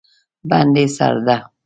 بندي سرده